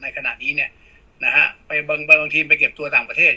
ขณะนี้เนี่ยนะฮะบางทีมไปเก็บตัวต่างประเทศ